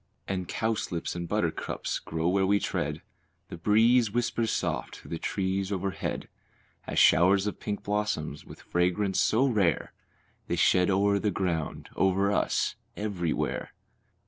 And cowslips and buttercups grow where we tread, The breeze whispers soft through the trees overhead, As showers of pink blossoms, with fragrance so rare, They shed o'er the ground, over us, everywhere.